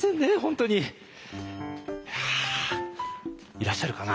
いらっしゃるかな？